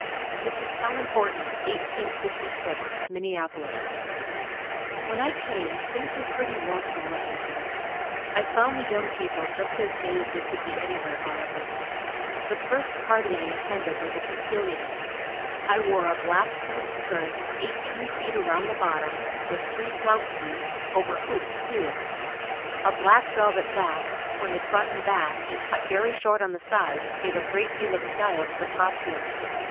Mrs. Helen Horton 1856, Minneapolis. When I came, things were pretty lonesome looking here. I found the young people just as gay as they could be anywhere, however. The first party I attended was a cotillion. I wore a black silk skirt, eighteen feet around the bottom, with three flounces, over hoops too. A black velvet basque pointed front and back, and cut very short on the sides gave a great deal of style to the costume.